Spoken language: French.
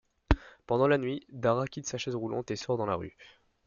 Pendant la nuit, Dara quitte sa chaise roulante et sort dans la rue.